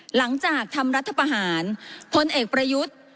หลังจากทำรัฐประหารพลเอกประยุทธ์